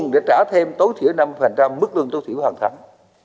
để trả thêm tối thiểu năm mức lương tối thiểu hàng tháng